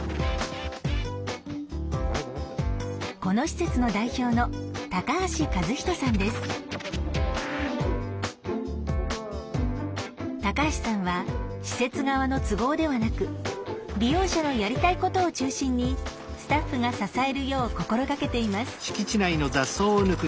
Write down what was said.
この施設の代表の橋さんは施設側の都合ではなく利用者のやりたいことを中心にスタッフが支えるよう心がけています。